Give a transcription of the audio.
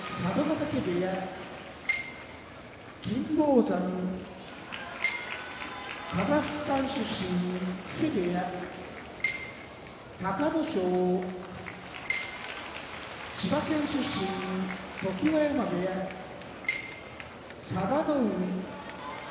嶽部屋金峰山カザフスタン出身木瀬部屋隆の勝千葉県出身常盤山部屋佐田の海